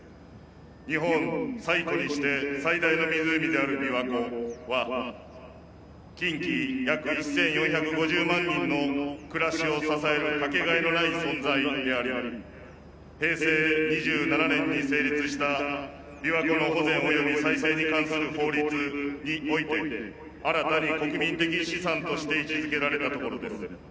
日本最古にして最大の湖である琵琶湖は近畿約１，４５０万人の暮らしを支える掛けがえのない存在であり平成２７年に成立した琵琶湖の保全及び再生に関する法律において新たに国民的資産として位置づけられたところです。